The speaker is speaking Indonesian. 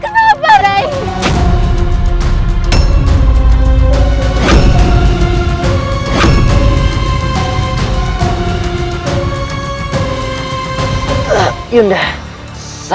kau mau menang